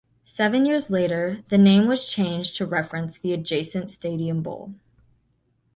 Seven years later, the name was changed to reference the adjacent Stadium Bowl.